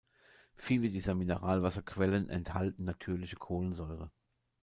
Viele dieser Mineralwasserquellen enthalten natürliche Kohlensäure.